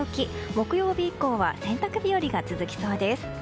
木曜日以降は洗濯日和が続きそうです。